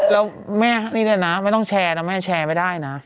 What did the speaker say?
แล้วแม่นี่เลยนะไม่ต้องแชร์นะแม่แชร์ไม่ได้นะ